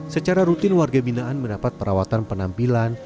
secara rutin warga binaan mendapat perawatan penampilan